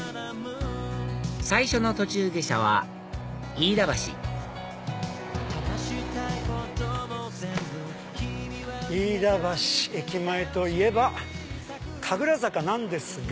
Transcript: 最初の途中下車は飯田橋飯田橋駅前といえば神楽坂なんですが。